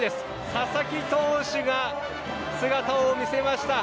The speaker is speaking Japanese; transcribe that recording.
佐々木投手が姿を見せました。